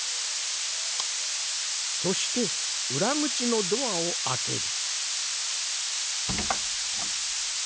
そしてうらぐちのドアをあける。